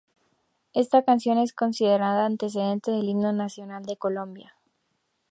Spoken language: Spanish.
Esta canción es considerada antecedente del himno nacional de Colombia.